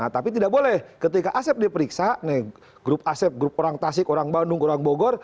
tapi tidak boleh ketika asep diperiksa grup asep grup orang tasik orang bandung orang bogor